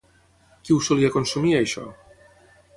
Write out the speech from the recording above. Qui ho solia consumir, això?